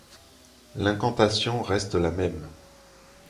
L'incantation reste la même.